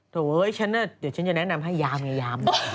เดี๋ยวฉันจะแนะนำให้ยามไงยาม